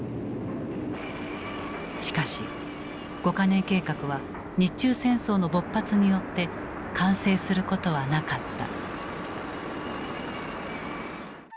しかし５ヵ年計画は日中戦争の勃発によって完成することはなかった。